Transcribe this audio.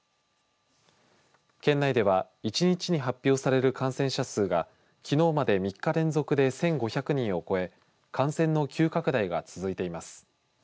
県内では１日に発表される感染者数がきのうまで３日連続で１５００人を超え感染の急拡大が続いています。